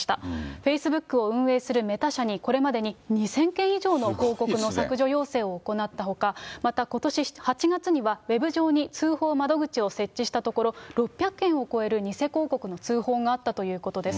フェイスブックを運営するメタ社にこれまでに２０００件以上の広告の削除要請を行ったほか、またことし８月には、ウェブ上に通報窓口を設置したところ、６００件を超える偽広告の通報があったということです。